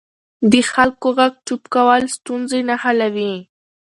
د خلکو غږ چوپ کول ستونزې نه حلوي